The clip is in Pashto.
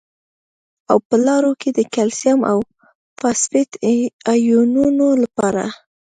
او په لاړو کې د کلسیم او فاسفیټ ایونونو لپاره